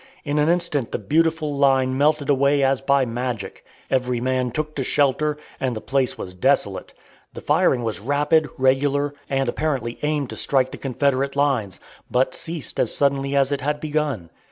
In an instant the beautiful line melted away as by magic. Every man took to shelter, and the place was desolate. The firing was rapid, regular, and apparently aimed to strike the Confederate lines, but ceased as suddenly as it had begun.